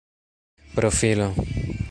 profilo